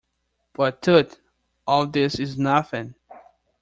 But, tut, all this is nothing!